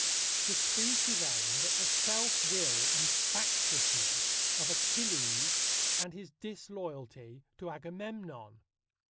The speech is aimed at the self will and factiousness of Achilles and his disloyalty to Agamemnon.